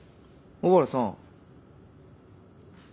小原さん？